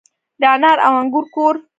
د انار او انګور کور.